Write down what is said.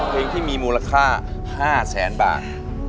เพลงที่มีมูลค่า๕แสนบาท